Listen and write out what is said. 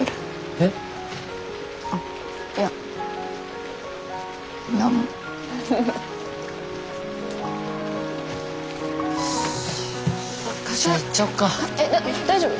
えっ大丈夫？